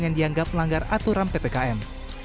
yang dianggap melanggar aturan ppkm